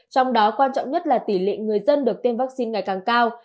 trong đó quan trọng nhất là tỷ lệ người dân được tiêm vaccine ngày càng cao